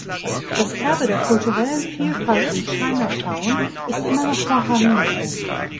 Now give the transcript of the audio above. Das Erbe der kulturellen Vielfalt in Chinatown ist immer noch vorhanden.